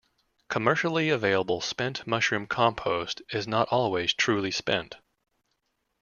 Commercially available 'spent' mushroom compost is not always truly spent.